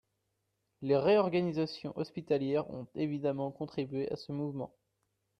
Les réorganisations hospitalières ont évidemment contribué à ce mouvement.